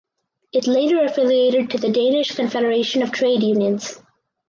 It later affiliated to the Danish Confederation of Trade Unions.